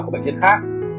của bệnh nhân khác